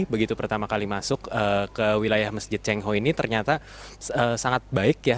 begitu pertama kali masuk ke wilayah masjid cengho ini ternyata sangat baik ya